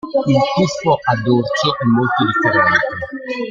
Il tuffo a dorso è molto differente.